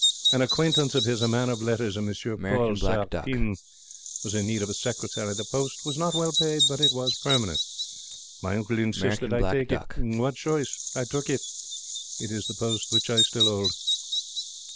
An acquaintance of his, a man of letters, a M. Paul Sartines, was in need of a secretary. The post was not well paid, but it was permanent. My uncle insist that I take it. What choice? I took it. It is the post which I still 'old.'